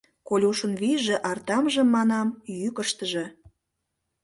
Колюшын вийже, артамже, манам, — йӱкыштыжӧ.